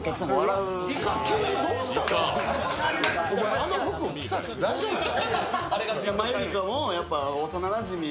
あの服着させて大丈夫か。